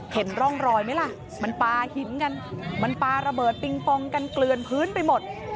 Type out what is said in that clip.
เห็นร่องรอยไหมล่ะมันปลาหินกันมันปลาระเบิดปิงปองกันเกลือนพื้นไปหมด